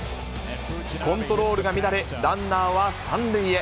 コントロールが乱れ、ランナーは３塁へ。